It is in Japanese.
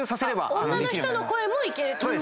女の人の声もいけるということ？